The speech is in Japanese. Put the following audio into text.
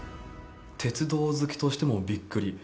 鉄道好きとしてもびっくり。